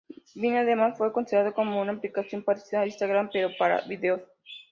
Vine, además, fue considerada como una aplicación parecida a Instagram, pero para vídeos.